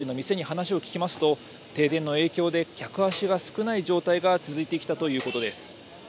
この辺りの店に話を聞きますと停電の影響で客足が少ない状態が続いてきたということです。